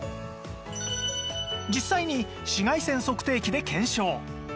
実際に紫外線測定器で検証